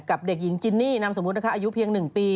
เด็กหญิงจินนี่นามสมมุตินะคะอายุเพียง๑ปี